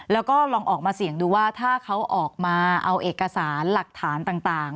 แล้วก็ลองออกมาเสี่ยงดูว่าถ้าเขาออกมาเอาเอกสารหลักฐานต่าง